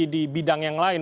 di bidang yang lain